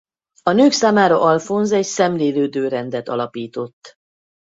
A nők számára Alfonz egy szemlélődő rendet alapított.